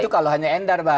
itu kalau hanya endar bang